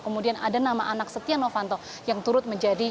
kemudian ada nama anak setia novanto yang turut menjadi